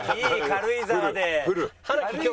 軽井沢で。